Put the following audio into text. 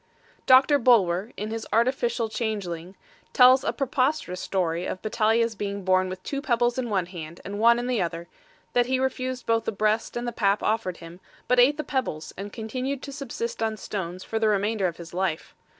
Doctor Bulwer, in his Artificial Changeling, tells a preposterous story of Battalia's being born with two pebbles in one hand and one in the other; that he refused both the breast and the pap offered him, but ate the pebbles and continued to subsist on stones for the remainder of his life.